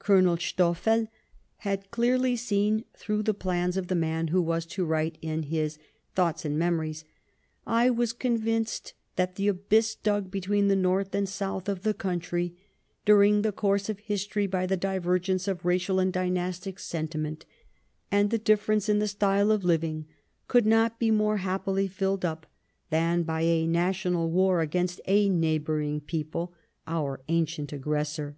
Colonel Stoffel had clearly seen through the plans of the man who was to write in his " Thoughts and Memories ": "I was convinced that the abyss dug between the North and South of the country during the course of history by the divergence of racial and dynastic sentiment, and the difference in the style of living, could not be more happily filled up than by a national war against a neighbouring people, our ancient aggressor."